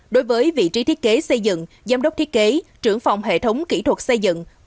đối với vị trí thiết kế xây dựng giám đốc thiết kế trưởng phòng hệ thống kỹ thuật xây dựng